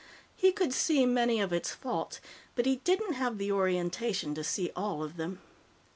He could see many of its faults, but he didn't have the orientation to see all of them.